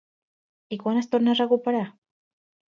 I quan es torna a recuperar?